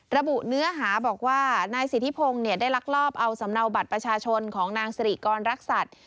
ระบุเนื้อหาบอกว่านายสิทธิพงศ์ได้ลักลอบเอาสำเนาบัตรประชาชนของนางสิริกรรักษัตริย์